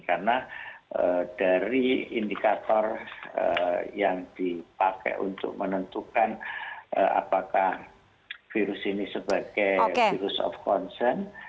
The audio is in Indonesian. karena dari indikator yang dipakai untuk menentukan apakah virus ini sebagai virus of concern